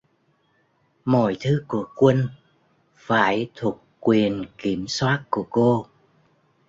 Mọi thứ của quân phải thuộc quyền kiểm soát của cô